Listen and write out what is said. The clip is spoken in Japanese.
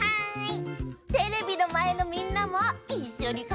テレビのまえのみんなもいっしょにかんがえてね。